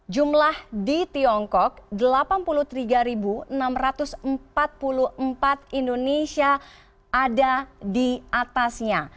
jumlah di tiongkok delapan puluh tiga enam ratus empat puluh empat indonesia ada di atasnya